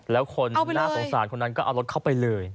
แล้วคนน่าสงสารคนนั้นก็เอารถเข้าไปเลย